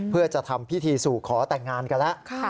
เพื่อจะทำพิธีสู่ขอแต่งงานกันแล้ว